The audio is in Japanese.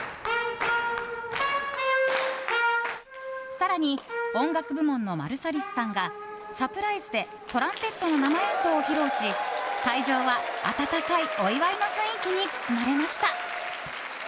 更に音楽部門のマルサリスさんがサプライズでトランペットの生演奏を披露し会場は温かいお祝いの雰囲気に包まれました。